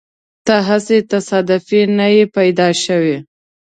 ته هسې تصادفي نه يې پیدا شوی.